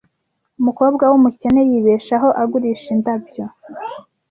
Umukobwa wumukene yibeshaho agurisha indabyo.